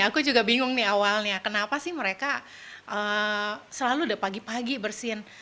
aku juga bingung nih awalnya kenapa sih mereka selalu udah pagi pagi bersin